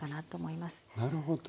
なるほど。